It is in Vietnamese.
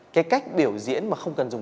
cái cách biểu diễn mà không cần dùng